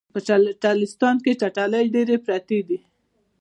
په چټلستان کې چټلۍ ډیرې پراتې دي